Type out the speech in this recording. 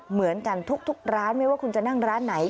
เหมือนกันทุกร้านไม่ว่าคุณจะนั่งร้านไหน